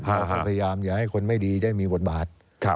พยายามอย่าให้คนไม่ดีได้มีบทบาท